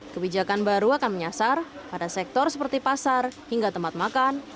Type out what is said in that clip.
kebijakan baru akan menyasar pada sektor seperti pasar hingga tempat makan